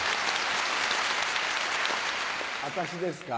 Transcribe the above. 私ですか？